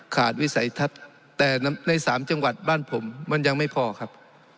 วิสัยทัศน์แต่ในสามจังหวัดบ้านผมมันยังไม่พอครับ